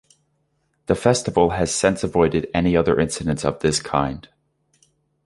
The festival has since avoided any other incidents of this kind.